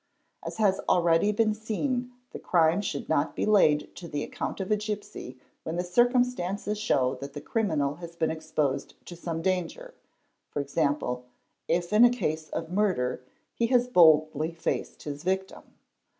As has already been seen the crime should not be ~ laid to the account of a gipsy when the circumstances show that the criminal has been exposed to some danger, ¢.g., if in a case of murder he has boldly faced his victim.